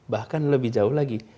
bahkan lebih jauh lagi